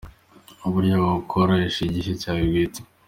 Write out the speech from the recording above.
Uburyo bwo gukoresha igihe cyawe bwite.